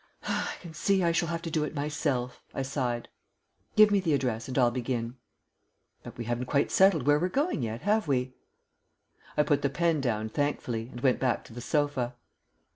"I can see I shall have to do it myself," I sighed. "Give me the address and I'll begin." "But we haven't quite settled where we're going yet, have we?" I put the pen down thankfully and went back to the sofa.